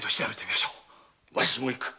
わしも行く。